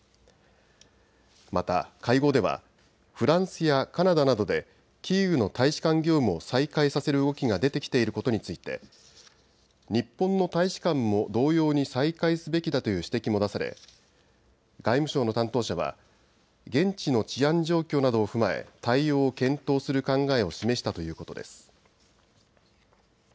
また会合ではフランスやカナダなどでキーウの大使館業務を再開させる動きが出てきていることについて日本の大使館も同様に再開すべきだという指摘も出され外務省の担当者は現地の治安状況などを踏まえ対応を検討する考えを示したということです。